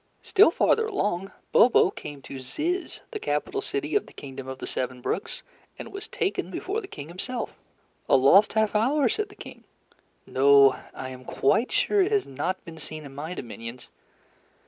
Still farther along, Bobo came to Zizz, the capital city of the Kingdom of the Seven Brooks, and was taken before the King himself. "A lost half hour?" said the King. "No, I am quite sure it has not been seen in my dominions.